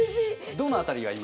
どの辺りが今？